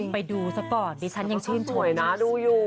ไปดูซะก่อนดิฉันยังชื่นตรงนี้